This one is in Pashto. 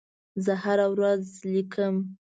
زه هره ورځ لیکم.